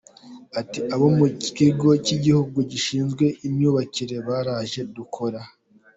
Ati “Abo mu kigo cy’Igihugu gishinzwe imyubakire baraje dukora